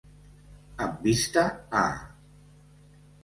Amb vista a.